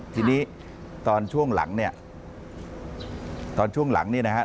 ทีนี้ตอนช่วงหลังนี่นะครับ